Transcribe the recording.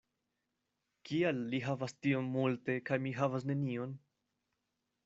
Kial li havas tiom multe kaj mi havas nenion?